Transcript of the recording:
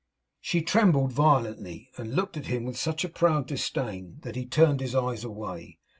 She trembled violently, and looked at him with such a proud disdain that he turned his eyes away.